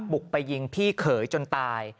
บุกไปยิงพี่เขยจนตาย